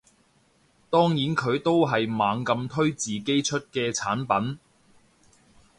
當然佢都係猛咁推自己出嘅產品